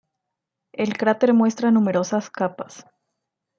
El cráter muestra numerosas capas.